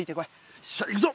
よっしゃ行くぞ。